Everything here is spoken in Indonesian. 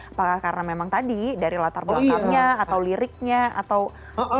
apakah karena memang tadi dari latar belakangnya atau liriknya atau apa